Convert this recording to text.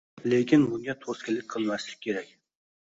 lekin bunga to'sqinlik qilmaslik kerak